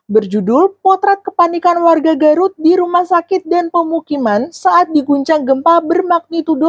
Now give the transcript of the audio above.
berjudul potret kepanikan warga garut di rumah sakit dan pemukiman saat diguncang gempa bermagnitudo